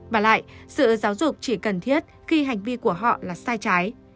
và lại sự giáo dục chỉ cần thiết khi hành vi của họ là sai trái